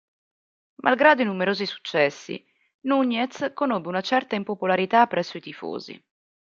Malgrado i numerosi successi, Nuñez conobbe una certa impopolarità presso i tifosi.